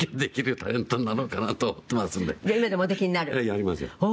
やりますよ。